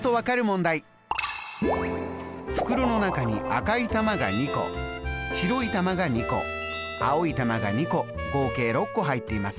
袋の中に赤い玉が２個白い玉が２個青い玉が２個合計６個入っています。